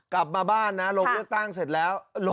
กลับมาบ้านนะลงเลือกตั้งเสร็จแล้ว